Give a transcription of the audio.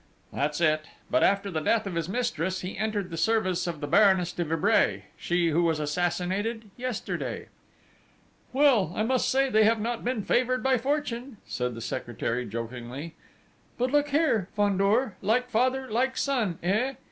"That's it!... But, after the death of his mistress, he entered the service of the Baroness de Vibray, she who was assassinated yesterday!" "Well, I must say they have not been favoured by fortune," said the secretary jokingly. "But, look here, Fandor like father, like son, eh?...